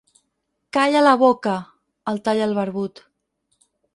Calla la boca! —el talla el barbut—.